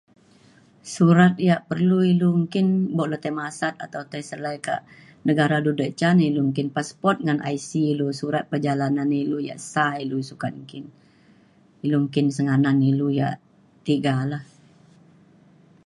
surat ya' perlu ilu engkin bo' le tai masat atau tai selai ke negara du da' ca na ilu engkin passport ngan ic ilu surat perjalanan ilu ya' sah ilu sukat ilu engkin ilu engkin senganan ilu ya' tiga la.